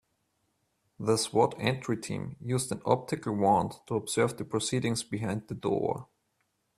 The S.W.A.T. entry team used an optical wand to observe the proceedings behind the door.